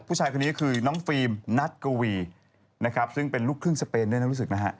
ผู้ชายคนนี้คือน้องฟิล์มนัทกวีนะครับซึ่งเป็นลูกครึ่งสเปนด้วยนะรู้สึกนะฮะ